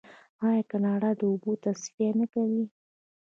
آیا کاناډا د اوبو تصفیه نه کوي؟